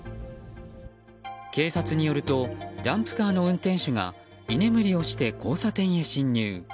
警察によるとダンプカーの運転手が居眠りをして交差点へ進入。